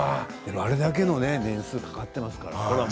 あれだけの年数がかかっていますからね。